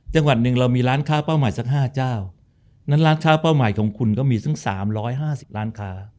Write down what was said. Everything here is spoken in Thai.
จังหวัดหนึ่งเรามีร้านค้าเป้าหมายสัก๕เจ้านั้นร้านค้าเป้าหมายของคุณก็มีสัก๓๕๐ล้านค้า